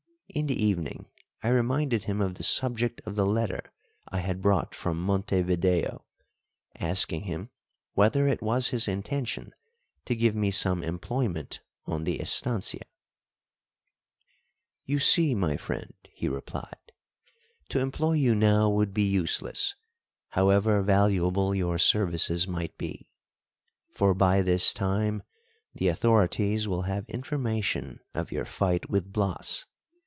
In the evening I reminded him of the subject of the letter I had brought from Montevideo, asking him whether it was his intention to give me some employment on the estancia. "You see, my friend," he replied, "to employ you now would be useless, however valuable your services might be, for by this time the authorities will have information of your fight with Blas.